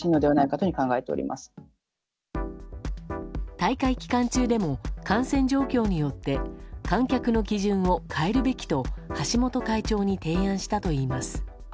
大会期間中でも感染状況によって観客の基準を変えるべきと橋本会長に提案したといいます。